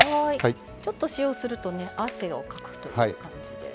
ちょっと塩をすると汗をかくという感じで。